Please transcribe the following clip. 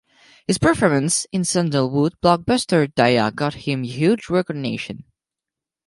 His performance in Sandalwood blockbuster Dia got him huge recognition.